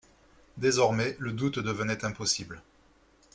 Désormais le doute devenait impossible.